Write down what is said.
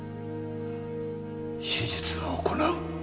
手術は行う。